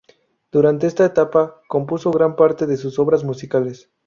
Durante esta etapa, compuso gran parte de sus obras musicales.